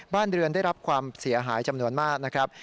บ้านเรือนได้รับความเสียหายจำนวนมากนะครับ